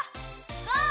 ゴー！